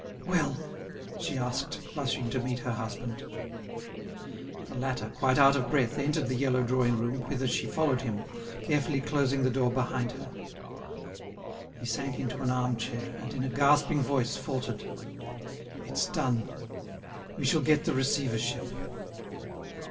"Well?" she asked, rushing to meet her husband. The latter, quite out of breath, entered the yellow drawing room, whither she followed him, carefully closing the door behind her. He sank into an arm chair, and, in a gasping voice, faltered: "It's done; we shall get the receivership."